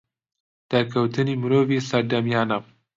دەرکەوتنی مرۆڤی سەردەمیانە